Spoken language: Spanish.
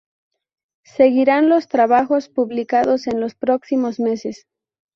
Seguirán los trabajos publicados en los próximos meses.